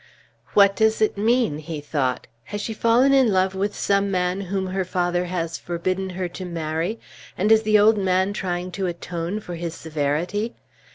"What does it mean?" he thought; "has she fallen in love with some man whom her father has forbidden her to marry, and is the old man trying to atone for his severity?